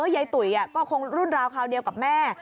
ยายตุ๋ยก็คงรุ่นราวคราวเดียวกับแม่